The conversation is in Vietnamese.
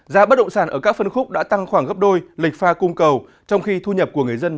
giá bất động sản ở các phân khúc đã tăng khoảng gấp đôi lịch pha cung cầu trong khi thu nhập của người dân